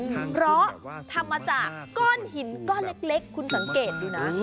เพราะทำมาจากก้อนหินก้อนเล็กคุณสังเกตดูนะ